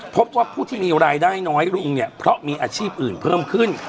พบว่าผู้ที่มีรายได้น้อยลุงเนี่ยเพราะมีอาชีพอื่นเพิ่มขึ้น